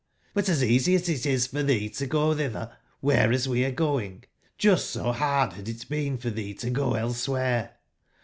But as easy as it is for tbee to go tbitber whereas we are going, just so bard bad it been for thee to go elsewhere.